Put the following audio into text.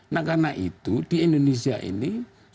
nah karena itu di indonesia ini